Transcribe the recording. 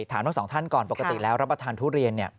ทั้งสองท่านก่อนปกติแล้วรับประทานทุเรียนเนี่ย